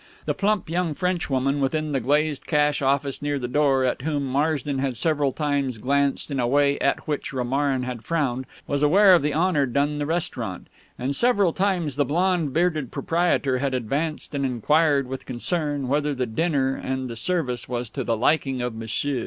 The plump young Frenchwoman within the glazed cash office near the door, at whom Marsden had several times glanced in a way at which Romarin had frowned, was aware of the honour done the restaurant; and several times the blond bearded proprietor had advanced and inquired with concern whether the dinner and the service was to the liking of M'sieu.